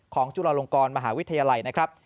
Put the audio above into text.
จุฬาลงกรมหาวิทยาลัยนะครับ